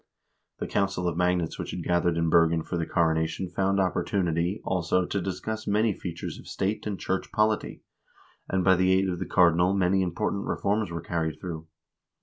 The council of magnates which had gathered in Bergen for the coronation found opportunity, also, to discuss many features of state and church polity, and by the aid of the cardinal many impor tant reforms were carried through.